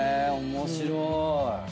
面白い。